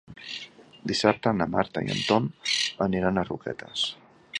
Dissabte na Marta i en Tom aniran a Roquetes.